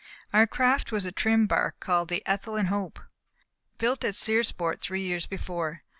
Our craft was a trim bark called the Ethelyn Hope, built at Searsport three years before.